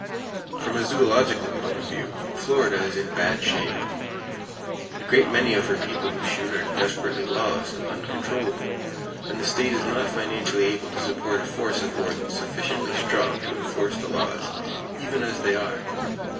From a zoological point of view, Florida is in bad shape. A great many of her people who shoot are desperately lawless and uncontrollable, and the state is not financially able to support a force of wardens sufficiently strong to enforce the laws, even as they are.